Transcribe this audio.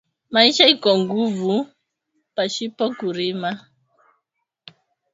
Maisha iko nguvu pashipo ku rima